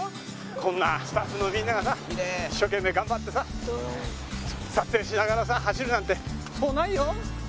こんなスタッフのみんながさ一生懸命頑張ってさ撮影しながらさ走るなんてそうないよ。